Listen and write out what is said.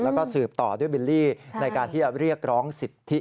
แล้วก็สืบต่อด้วยบิลลี่ในการที่จะเรียกร้องสิทธิ